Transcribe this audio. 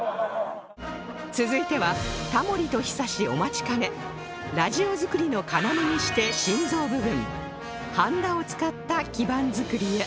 続いてはタモリと ＨＩＳＡＳＨＩ お待ちかねラジオ作りの要にして心臓部分はんだを使った基板作りへ